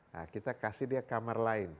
nah kita kasih dia kamar lain